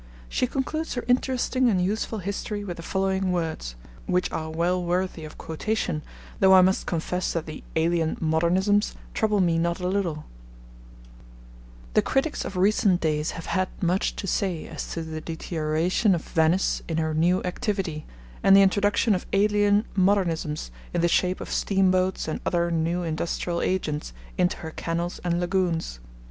She concludes her interesting and useful history with the following words, which are well worthy of quotation, though I must confess that the 'alien modernisms' trouble me not a little: The critics of recent days have had much to say as to the deterioration of Venice in her new activity, and the introduction of alien modernisms, in the shape of steamboats and other new industrial agents, into her canals and lagoons.